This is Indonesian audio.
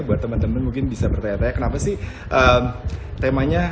buat teman teman mungkin bisa bertanya tanya kenapa sih temanya